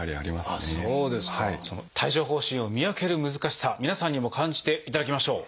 その帯状疱疹を見分ける難しさ皆さんにも感じていただきましょう。